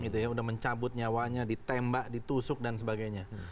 sudah mencabut nyawanya ditembak ditusuk dan sebagainya